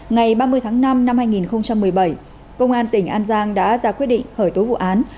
ngày ba mươi tháng năm năm hai nghìn một mươi bảy công an tỉnh an giang đã ra quyết định hởi tố vụ án